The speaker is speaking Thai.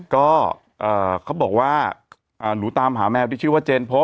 ก็เอ่อเขาบอกว่าเอ่อหนูตามหาแมวที่ชื่อว่าเจนท์พบ